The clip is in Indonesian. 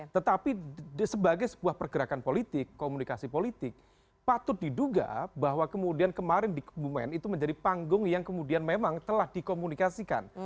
tetapi sebagai sebuah pergerakan politik komunikasi politik patut diduga bahwa kemudian kemarin di kubumen itu menjadi panggung yang kemudian memang telah dikomunikasikan